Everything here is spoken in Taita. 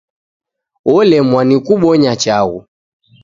Wolemwa nikubonya chaghu